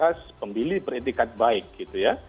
yang sudah memiliki harta sertifikat baik gitu ya